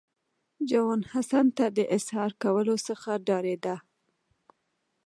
جون حسن ته د اظهار کولو څخه ډارېده